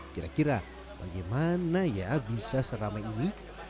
kira kira bagaimana ya bisa seramai ini